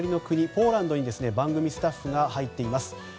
ポーランドに番組スタッフが入っています。